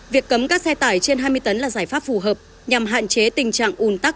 việc cấm các xe tải trên hai mươi tấn là giải pháp phù hợp nhằm hạn chế tình trạng ùn tắc